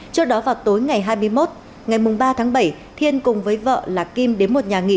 trước đó vào tối ngày hai mươi một ngày ba tháng bảy thiên cùng với vợ là kim đến một nhà nghỉ